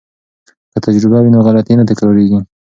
که تجربه وي نو غلطي نه تکراریږي.